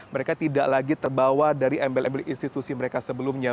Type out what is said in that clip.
mereka tidak lagi terbawa dari embel embel institusi mereka sebelumnya